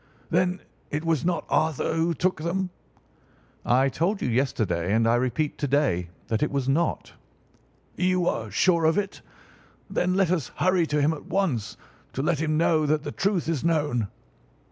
"Then it was not Arthur who took them?" "I told you yesterday, and I repeat to day, that it was not." "You are sure of it! Then let us hurry to him at once to let him know that the truth is known."